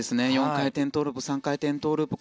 ４回転トウループ３回転トウループ。